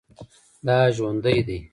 دا ژوندی دی